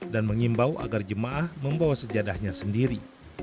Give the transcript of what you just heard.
dan mengimbau agar jemaah membawa sejadahnya sendiri